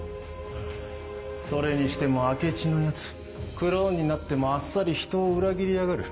それにしても明智のヤツクローンになってもあっさりひとを裏切りやがる。